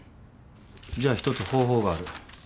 じゃあ一つ方法がある。